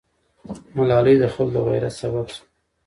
ملالۍ د خلکو د غیرت سبب سوه.